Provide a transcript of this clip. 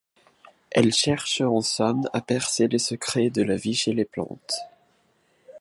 Elle cherche en somme à percer les secrets de la vie chez les plantes.